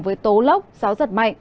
với tố lốc gió giật mạnh